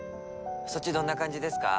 そっちどんな感じですか？